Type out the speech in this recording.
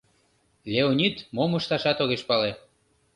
Леонид мом ышташат огеш пале.